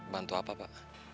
bantu apa pak